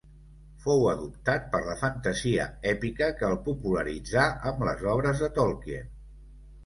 Fou adoptat per la fantasia èpica que el popularitzà amb les obres de Tolkien.